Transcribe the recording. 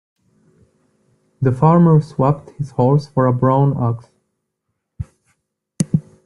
The farmer swapped his horse for a brown ox.